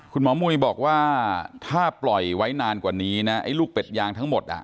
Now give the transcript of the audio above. มุยบอกว่าถ้าปล่อยไว้นานกว่านี้นะไอ้ลูกเป็ดยางทั้งหมด